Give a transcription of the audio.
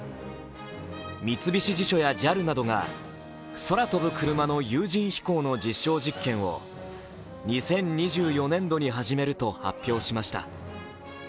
三菱地所やＪＡＬなどが空飛ぶクルマの有人飛行の実証実験を２０２４年度に始めると発表しました。